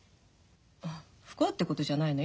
不幸ってことじゃないのよ。